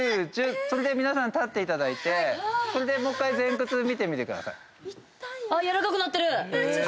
それで皆さん立っていただいてそれでもう１回前屈見てみてください。